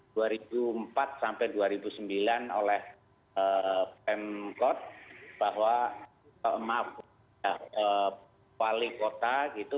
dua ribu empat sampai dua ribu sembilan oleh pemkot bahwa maaf wali kota gitu